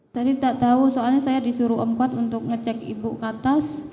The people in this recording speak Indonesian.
tadi tak tahu soalnya saya disuruh om kuat untuk ngecek ibu ke atas